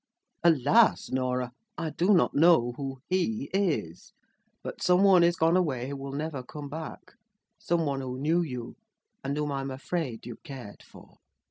"Alas, Norah! I do not know who 'he' is. But some one is gone away who will never come back: someone who knew you, and whom I am afraid you cared for."